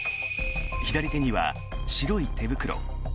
左手には白い手袋。